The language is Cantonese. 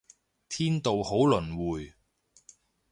天道好輪迴